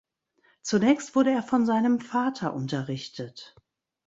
Zunächst wurde er von seinem Vater unterrichtet.